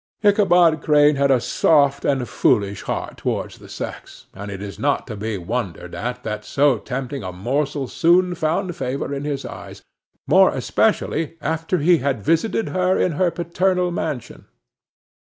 Ichabod Crane had a soft and foolish heart towards the sex; and it is not to be wondered at that so tempting a morsel soon found favor in his eyes, more especially after he had visited her in her paternal mansion.